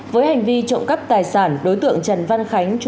với hành vi trộm cắp tài sản đối tượng trần văn khánh